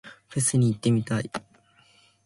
フェスに行ってみたい。